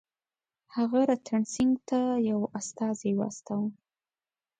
هغه رتن سینګه ته یو استازی واستاوه.